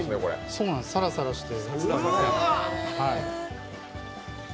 そうなんです、サラサラして。